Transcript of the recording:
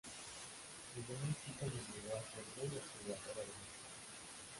Desde muy chica me "obligó" a ser muy observadora de mi ciudad.